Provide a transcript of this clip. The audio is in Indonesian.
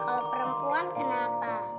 kalau perempuan kenapa